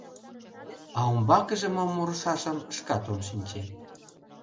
А умбакыже мом мурышашым шкат ом шинче.